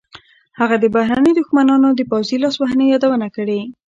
هغه د بهرنیو دښمنانو د پوځي لاسوهنې یادونه کړې.